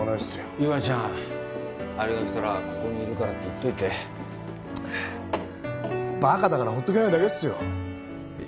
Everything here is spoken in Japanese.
イワちゃんあれが来たらここにいるって言っといてバカだから放っておけないだけっすよ